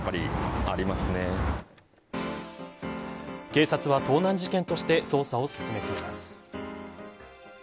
警察は、盗難事件として捜査を進めています。